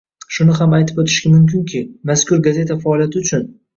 Shuni ham aytib o'tish mumkinki, mazkur gazeta faoliyati uchun